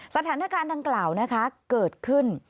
สถานการณ์ดังกล่าวนะคะเกิดขึ้น